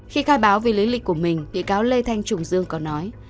khi khai báo về lý lịch của mình vị cáo lê thanh trùng dương có nói